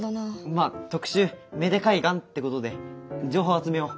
まあ特集芽出海岸ってことで情報集めよう。